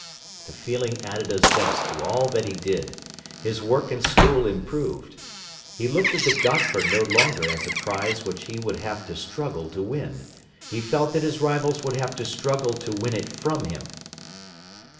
The feeling added a zest to all that he did. His work in school improved. He looked at the Gotford no longer as a prize which he would have to struggle to win. He felt that his rivals would have to struggle to win it from him.